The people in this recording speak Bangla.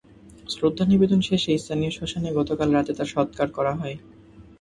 শ্রদ্ধা নিবেদন শেষে স্থানীয় শ্মশানে গতকাল রাতে তাঁর সৎকার করা হয়।